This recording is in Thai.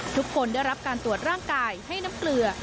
ทุกคนได้รับการตรวจร่างกายให้น้ำเกลือ